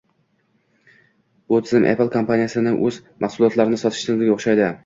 Bu tizim Apple kompaniyasi o‘z mahsulotlarini sotish tizimiga o‘xshaydi.